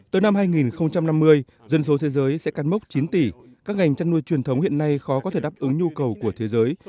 tới năm hai nghìn năm mươi dân số thế giới sẽ cắt mốc chín tỷ các ngành chăn nuôi truyền thống hiện nay khó có thể đáp ứng nhu cầu của thế giới